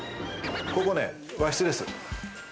ここ和室です。